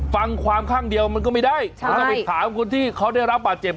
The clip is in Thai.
ฟังความข้างเดียวมันก็ไม่ได้มันต้องไปถามคนที่เขาได้รับบาดเจ็บ